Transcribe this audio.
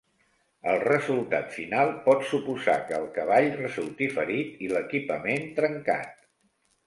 El resultat final pot suposar que el cavall resulti ferit i l'equipament, trencat.